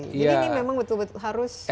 jadi ini memang betul betul harus